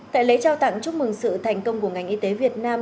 tại lễ trao tặng chúc mừng sự thành công của ngành y tế việt nam